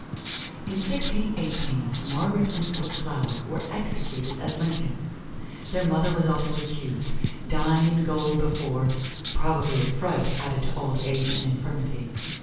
In 1618, Margaret and Philip Flower were executed at Lincoln; their mother was also accused, dying in goal before (probably of fright, added to old age and infirmity).